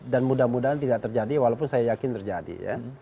dan mudah mudahan tidak terjadi walaupun saya yakin terjadi